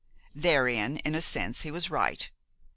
Therein, in a sense, he was right.